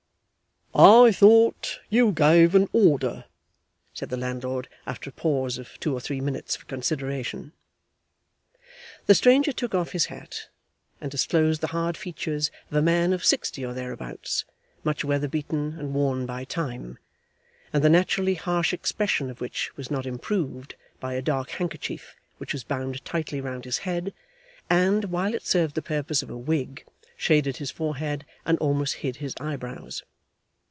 'I thought you gave an order,' said the landlord, after a pause of two or three minutes for consideration. The stranger took off his hat, and disclosed the hard features of a man of sixty or thereabouts, much weatherbeaten and worn by time, and the naturally harsh expression of which was not improved by a dark handkerchief which was bound tightly round his head, and, while it served the purpose of a wig, shaded his forehead, and almost hid his eyebrows.